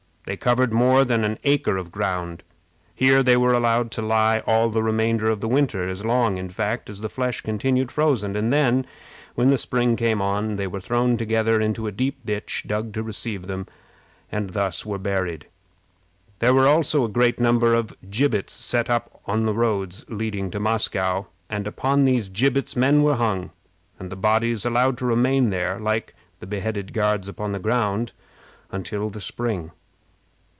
They covered more than an acre of ground. Here they were allowed to lie all the remainder of the winter, as long, in fact, as the flesh continued frozen, and then, when the spring came on, they were thrown together into a deep ditch, dug to receive them, and thus were buried. There were also a great number of gibbets set up on all the roads leading to Moscow, and upon these gibbets men were hung, and the bodies allowed to remain there, like the beheaded Guards upon the ground, until the spring.